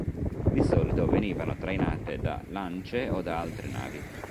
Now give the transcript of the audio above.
Di solito venivano trainate da lance o da altre navi.